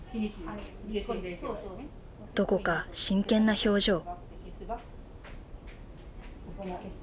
どこか真剣な表情。